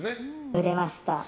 売れました。